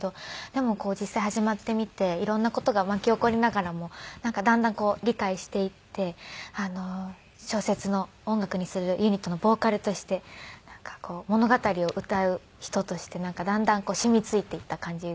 でも実際始まってみて色んな事が巻き起こりながらもなんかだんだんこう理解していって小説を音楽にするユニットのボーカルとして物語を歌う人としてだんだん染みついていった感じですね。